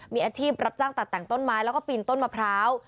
มีอาชีพรับจ้างตัดแต่งต้นไม้แล้วก็ปีนต้นมะพร้าว